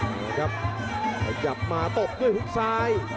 พยายามมาตบด้วยหุ้นซ้าย